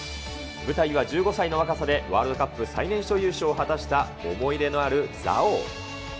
舞台は１５歳の若さでワールドカップ最年少優勝を果たした思い出のある蔵王。